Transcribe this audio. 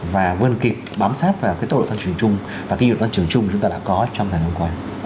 và vươn kịp bám sát vào tốc độ tăng trưởng chung và kinh doanh tăng trưởng chung chúng ta đã có trong thời gian qua